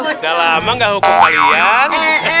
udah lama gak hukum kalian